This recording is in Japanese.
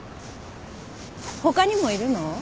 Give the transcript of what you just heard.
他にもいるの？